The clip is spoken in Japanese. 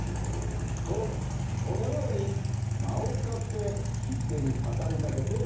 とこのように間を使って聞き手に語りかけていたのだ。